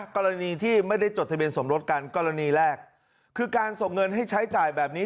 กรณีที่ไม่ได้จดทะเบียนสมรสกันกรณีแรกคือการส่งเงินให้ใช้จ่ายแบบนี้